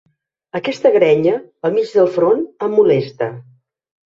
Aquesta grenya, al mig del front, em molesta.